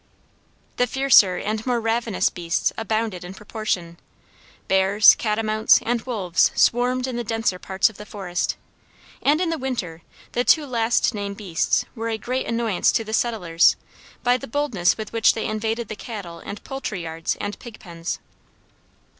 The fiercer and more ravenous beasts abounded in proportion. Bears, catamounts, and wolves swarmed in the denser parts of the forests, and in the winter the two last named beasts were a great annoyance to the settlers by the boldness with which they invaded the cattle and poultry yards and pig pens.